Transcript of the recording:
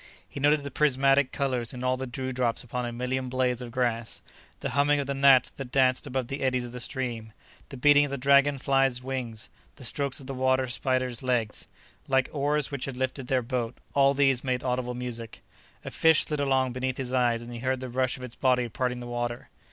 He noted the prismatic colors in all the dewdrops upon a million blades of grass. The humming of the gnats that danced above the eddies of the stream, the beating of the dragon flies' wings, the strokes of the water spiders' legs, like oars which had lifted their boat—all these made audible music. A fish slid along beneath his eyes and he heard the rush of its body parting the water.